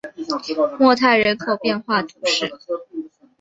莫泰人口变化图示